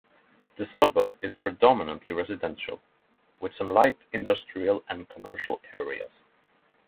The suburb is predominantly residential, with some light industrial and commercial areas.